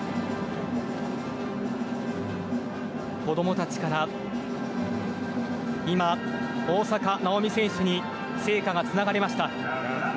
子どもたちから今大坂なおみ選手に聖火がつながれました。